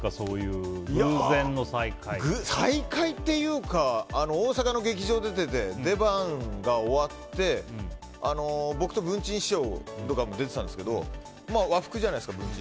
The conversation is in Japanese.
再会っていうか大阪の劇場に出ていて出番が終わって、僕と文珍師匠が出てたんですけど和服じゃないですか。